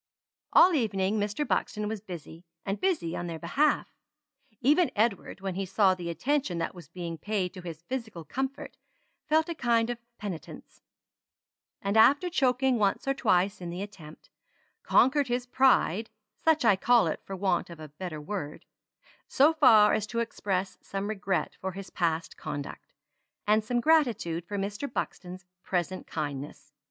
All evening Mr. Buxton was busy, and busy on their behalf. Even Edward, when he saw the attention that was being paid to his physical comfort, felt a kind of penitence; and after choking once or twice in the attempt, conquered his pride (such I call it for want of a better word) so far as to express some regret for his past conduct, and some gratitude for Mr. Buxton's present kindness.